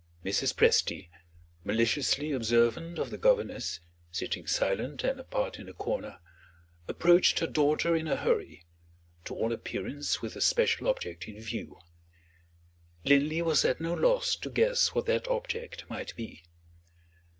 Mrs. Presty maliciously observant of the governess, sitting silent and apart in a corner approached her daughter in a hurry; to all appearance with a special object in view. Linley was at no loss to guess what that object might be.